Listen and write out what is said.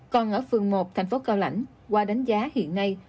còn ở phường một thành phố cao lãnh qua đánh giá hiện nay